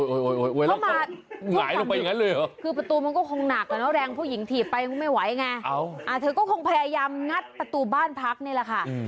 แล้วมาหงายลงไปอย่างนั้นเลยเหรอคือประตูมันก็คงหนักอะเนาะแรงผู้หญิงถีบไปก็ไม่ไหวไงเธอก็คงพยายามงัดประตูบ้านพักนี่แหละค่ะ